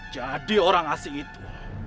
jadi orang asing itu